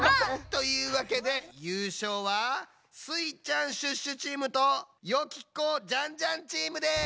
というわけでゆうしょうはスイちゃん＆シュッシュチームとよき子＆ジャンジャンチームです！